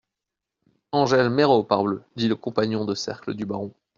Angèle Méraud, parbleu ! dit le compagnon de cercle du baron.